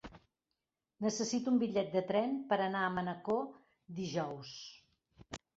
Necessito un bitllet de tren per anar a Manacor dijous.